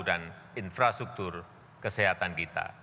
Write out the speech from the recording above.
dan infrastruktur kesehatan kita